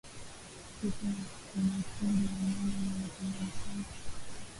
vifo huwaathiri wanyama wenye thamani kubwa